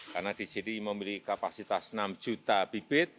karena disini memiliki kapasitas enam juta bibit